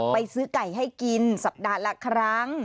ไปซื้อไก่ให้กินสัปดาห์ละครั้ง